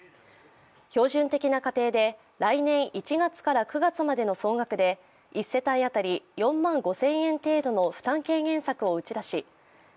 標準的な家庭で来年１月から９月までの総額で１世帯当たり４万５０００円程度の負担軽減策を打ち出し